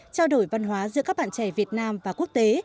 trao đổi văn hóa giữa các bạn trẻ việt nam và quốc tế